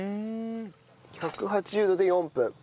１８０度で４分。